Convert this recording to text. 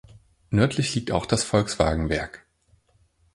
Nördlich liegt auch das Volkswagenwerk.